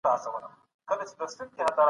که انلاين مواد ثبت سي بيا کتنه اسانه کيږي.